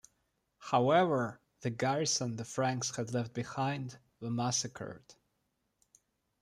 However, the garrison the Franks had left behind were massacred.